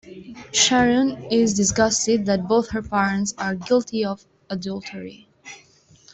Sharon is disgusted that both her parents are guilty of adultery.